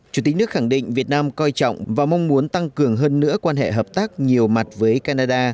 chủ tịch nước khẳng định việt nam coi trọng và mong muốn tăng cường hơn nữa quan hệ hợp tác nhiều mặt với canada